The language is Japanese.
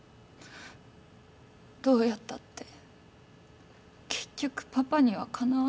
どうやったって結局パパにはかなわない。